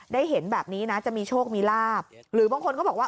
เห็นแบบนี้นะจะมีโชคมีลาบหรือบางคนก็บอกว่า